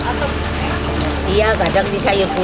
makanya istilahnya kerjaan yang makmur itu